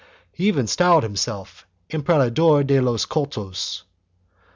He even styled himself Emperador de los dos cultos.